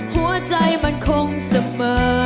หัวใจมันคงเสมอ